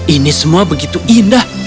ini semua begitu indah